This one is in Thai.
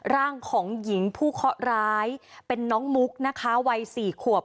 ร่างของหญิงผู้เคาะร้ายเป็นน้องมุกนะคะวัย๔ขวบ